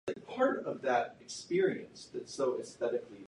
It is forty miles west of Norfolk.